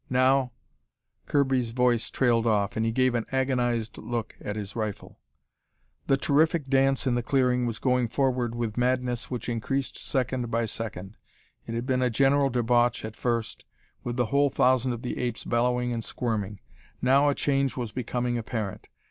Now " Kirby's voice trailed off, and he gave an agonized look at his rifle. The terrific dance in the clearing was going forward with madness which increased second by second. It had been a general debauch at first, with the whole thousand of the apes bellowing and squirming. Now a change was becoming apparent.